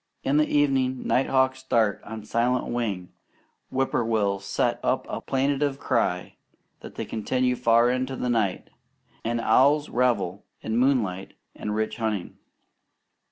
In the evening, night hawks dart on silent wing; whippoorwills set up a plaintive cry that they continue far into the night; and owls revel in moonlight and rich hunting.